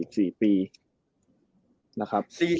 ใช่